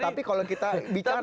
tapi kalau kita bicara